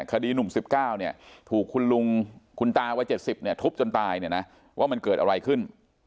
คดีหนุ่ม๑๙ถูกคุณลุงคุณตาวัย๗๐ทุบจนตายเนี่ยนะว่ามันเกิดอะไรขึ้น